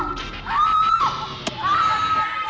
โอ๊ยปูสุดยอด